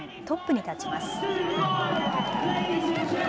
トップに立ちます。